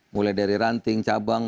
mulai dari ranting cabang